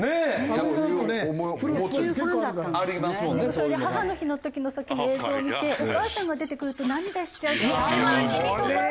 それで母の日の時のさっきの映像を見てお母さんが出てくると涙しちゃうっていうあのヌートバー選手！